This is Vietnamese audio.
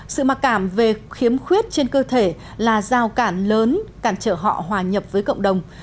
sự mặc cảm về khiếm khuyết trên cơ thể là giao cản lớn cản trở họ hòa nhập với cộng đồng